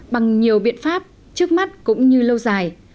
bằng nhiều biện pháp trước mắt cũng như lâu dài